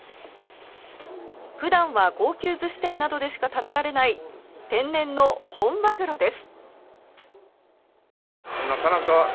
普段は高級寿司店などでしか食べれない天然の本マグロです。